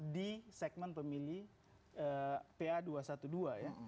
di segmen pemilih pa dua ratus dua belas ya